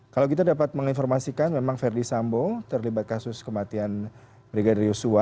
kalau kita dapat menginformasikan memang verdi sambo terlibat kasus kematian brigadir yosua